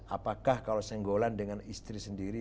apakah kalau senggolan dengan istri sendiri